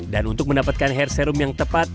dan untuk mendapatkan hair serum yang tepat